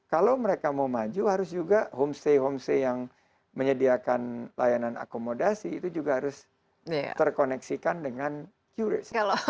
kalau mereka mau maju harus juga homestay homestay yang menyediakan layanan akomodasi itu juga harus terkoneksikan dengan qris